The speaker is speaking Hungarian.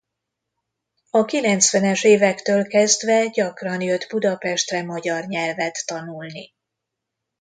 A kilencvenes évektől kezdve gyakran jött Budapestre magyar nyelvet tanulni.